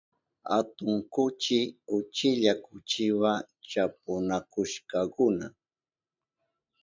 Atun kuchi uchilla kuchiwa chapunakushkakuna.